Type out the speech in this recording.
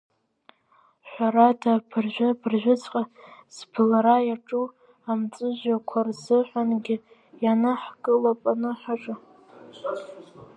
Ҳәарада, абыржәы, абыржәыҵәҟа збылра иаҿу амҵәыжәҩақәа рзыҳәангьы инаҳкылап аныҳәаҿа.